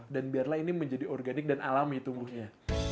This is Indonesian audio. dan biarlah ini menjadi organik dan alami tumbuhnya